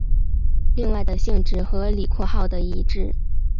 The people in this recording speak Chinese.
另外的性质和李括号的一致。